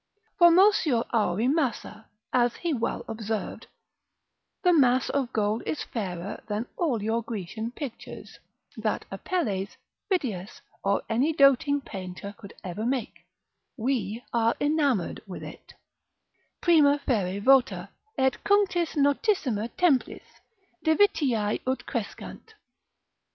Formosior auri massa, as he well observed, the mass of gold is fairer than all your Grecian pictures, that Apelles, Phidias, or any doting painter could ever make: we are enamoured with it, Prima fere vota, et cunctis notissima templis, Divitiae ut crescant.